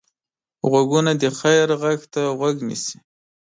غوږونه د خیر غږ ته غوږ نیسي